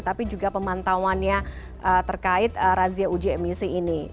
tapi juga pemantauannya terkait razia uji emisi ini